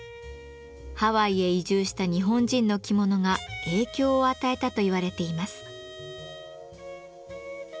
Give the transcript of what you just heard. ハワイへ移住した日本人の着物が影響を与えたと言われています。